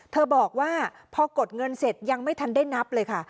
บอกว่าพอกดเงินเสร็จยังไม่ทันได้นับเลยค่ะ